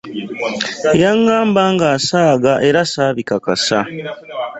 Yaŋŋamba ng'asaaga era ssaabikakasa.